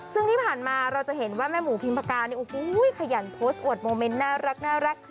ซึ่งที่ผ่านมาเราจะเห็นว่าแม่หมูพิมพากาเนี่ยโอ้โหขยันโพสต์อวดโมเมนต์น่ารัก